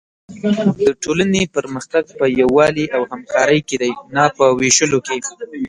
د ټولنې پرمختګ په یووالي او همکارۍ کې دی، نه په وېشلو کې.